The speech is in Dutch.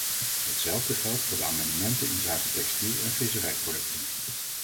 Hetzelfde geldt voor de amendementen inzake textiel en visserijproducten.